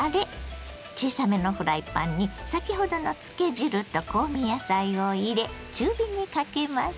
小さめのフライパンに先ほどの漬け汁と香味野菜を入れ中火にかけます。